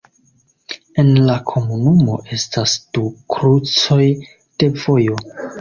En la komunumo estas du krucoj de vojo.